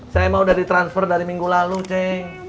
saya mah udah di transfer dari minggu lalu ceng